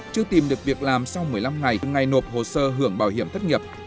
chưa tìm được việc làm sau một mươi năm ngày ngày nộp hồ sơ hưởng bảo hiểm thất nghiệp